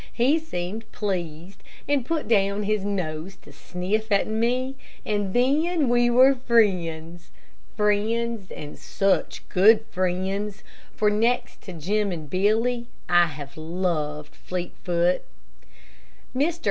He seemed pleased and put down his nose to sniff at me, and then we were friends. Friends, and such good friends, for next to Jim and Billy, I have loved Fleetfoot. Mr.